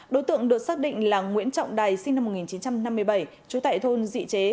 đối tượng được xác định là nguyễn trọng đài sinh năm một nghìn chín trăm năm mươi bảy trú tại thôn dị chế